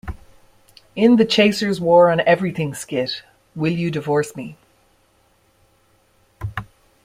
In the "The Chaser's War on Everything" skit "Will You Divorce Me?